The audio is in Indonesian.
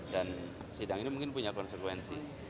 dan sidang ini mungkin punya konsekuensi